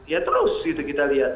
ya terus itu kita lihat